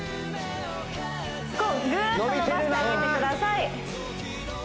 こうグーッと伸ばしてあげてください